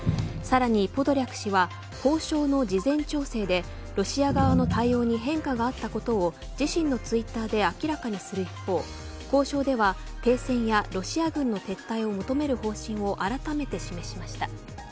さらに、ポドリャク氏は交渉の事前調整でロシア側の対応に変化があったことを自身のツイッターで明らかにする一方交渉では停戦やロシア軍の撤退を求める方針をあらためて示しました。